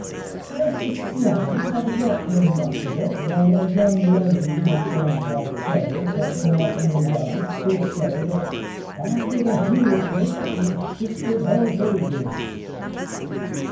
ŌĆØ As for slang I did not hear much of it, though a young lady who had changed her clothes after an afternoon dance did say that ŌĆ£after the heel kick she shifted her day goods.